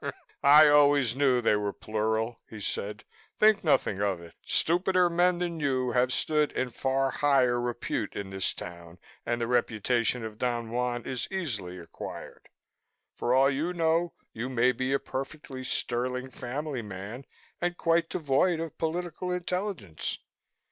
"I always knew they were plural," he said. "Think nothing of it. Stupider men than you have stood in far higher repute in this town and the reputation of Don Juan is easily acquired. For all you know, you may be a perfectly sterling family man and quite devoid of political intelligence."